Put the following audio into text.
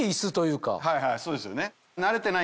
そうですよね。